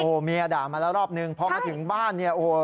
โอ้โหเมียด่ามาแล้วรอบนึงพอมาถึงบ้านเนี่ยโอ้โห